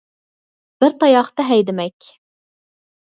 بىر تاياقتا ھەيدىمەك.